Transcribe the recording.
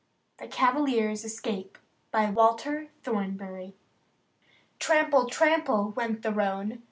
^*^x THE CAVALIER'S ESCAPE Walter Thornbury Trample! trample! went the roan.